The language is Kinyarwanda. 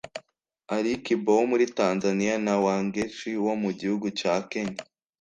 Ali Kiba wo muri Tanzania na Wangechi wo mu gihugu cya Kenya